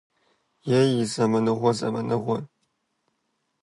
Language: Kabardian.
Ей, зэманыгъуэ, зэманыгъуэ!